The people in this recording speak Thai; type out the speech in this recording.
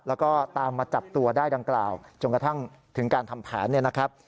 แล้วก็ตามมาจับตัวได้ดังกล่าวจนกระทั่งถึงการทำแผนเนี่ยนะครับ